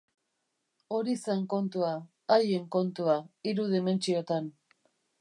Hori zen kontua, haien kontua, hiru dimentsiotan.